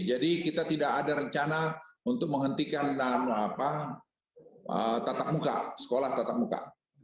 jadi kita tidak ada rencana untuk menghentikan tatap muka sekolah tatap muka